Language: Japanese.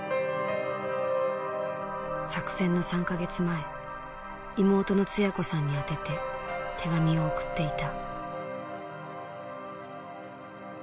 作戦の３か月前妹のツヤ子さんに宛てて手紙を送っていた。